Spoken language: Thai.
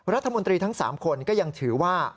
รัฐมนตรีทั้ง๓คนก็ยังถือว่า